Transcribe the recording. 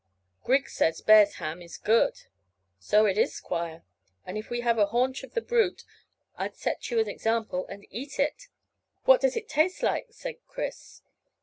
Griggs says bear's ham is good." "So it is, squire, and if we had a haunch of the brute I'd set you an example to eat it." "What does it taste like?" said Chris.